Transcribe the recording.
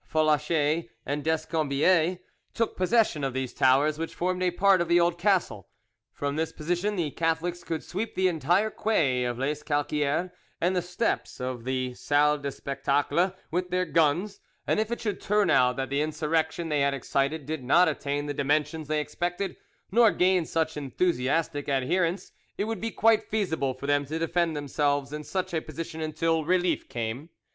Folacher, and Descombiez—took possession of these towers, which formed a part of the old castle; from this position the Catholics could sweep the entire quay of Les Calquieres and the steps of the Salle de Spectacle with their guns, and if it should turn out that the insurrection they had excited did not attain the dimensions they expected nor gain such enthusiastic adherents, it would be quite feasible for them to defend themselves in such a position until relief came.